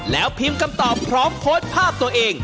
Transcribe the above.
แล้วพิมพ์คำตอบพร้อมโพสต์ภาพตัวเอง